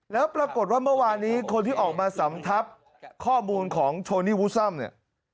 แล้วปรากฏว่าเมื่อวานนี้คนที่ออกมาสำทับข้อมูลของโชนี่วูซัมเนี่ย